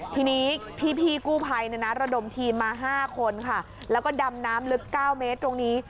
ทีนี้พี่กู้ภัยระดมทีมมา๕คนค่ะแล้วก็ดำน้ำลึก๙เมตรตรงนี้